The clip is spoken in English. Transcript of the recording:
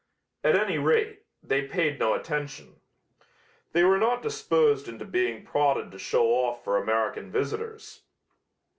At any rate, they paid no attention. They were not disposed into being prodded to show off for American visitors.